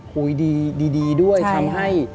คุยดีดีดีด้วยทำให้